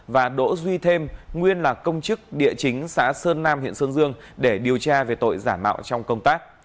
và đỗ duy thêm nguyên là công chức địa chính xã sơn nam huyện sơn dương để điều tra về tội giả mạo trong công tác